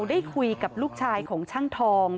ได้คุยกับลูกชายของช่างทอง